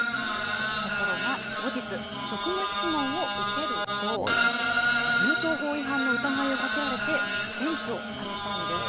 ところが後日、職務質問を受けると、銃刀法違反の疑いをかけられて、検挙されたんです。